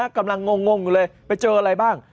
กำลังงงอยู่เลยไปเจออะไรบ้าง